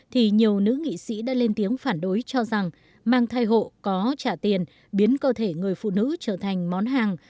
thì nhiều nữ nghị sĩ đã lên tiếng phản đối cho rằng mang thai hộ có trả tiền biến cơ thể người phụ nữ trở thành món hàng